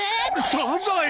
サザエ。